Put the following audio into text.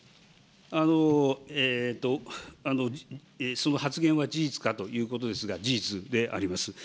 その発言は事実かということでありますが、事実であります。